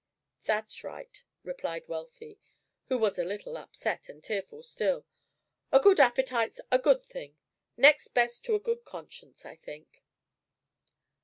"That's right," replied Wealthy, who was a little upset, and tearful still. "A good appetite's a good thing, next best to a good conscience, I think."